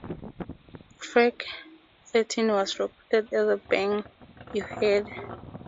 Track thirteen was recorded at the Bang Your Head!!!